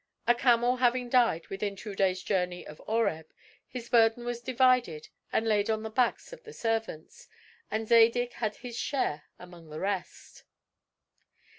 A camel having died within two days' journey of Oreb, his burden was divided and laid on the backs of the servants; and Zadig had his share among the rest.